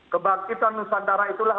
kebangkitan nusantara itulah